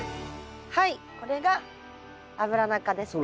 はいこれがアブラナ科ですね。